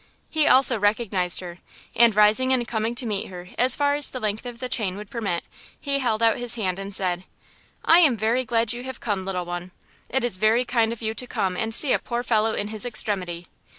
He also recognized her, and rising and coming to meet her as far as the length of the chain would permit, he held out his hand and said: "I am very glad you have come, little one; it is very kind of you to come and see a poor fellow in his extremity!